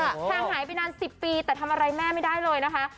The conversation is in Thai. แทงหายไปนาน๑๐ปีแต่ทำอะไรแม่ไม่ได้เลยนะคะ